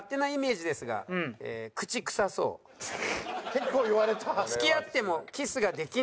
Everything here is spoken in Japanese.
結構言われた。